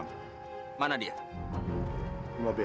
kamu bawa dia ke mana